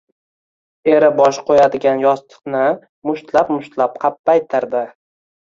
Eri bosh qo‘yadigan yostiqni mushtlab-mushtlab qappaytirdi.